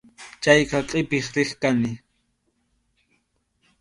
Chayqa qʼipiq riq kani.